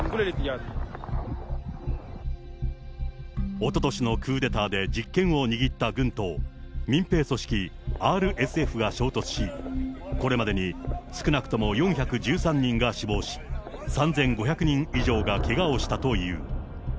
おととしのクーデターで実権を握った軍と、民兵組織ＲＳＦが衝突し、これまでに少なくとも４１３人が死亡し、３５００人以上がけがをしたという。